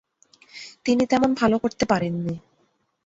তিনি তেমন ভালো করতে পারেননি।